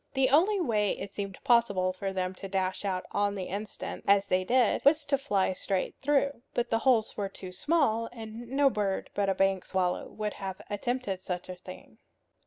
The only way it seemed possible for them to dash out on the instant, as they did, was to fly straight through. But the holes were too small, and no bird but a bank swallow would have attempted such a thing.